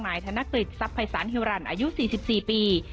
นายธนกฤษทรัพย์ภัยสารเฮียวรันอายุสี่สิบสี่ปี